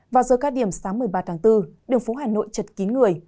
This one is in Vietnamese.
vào giờ cao điểm sáng một mươi ba tháng bốn đường phố hà nội chật kín người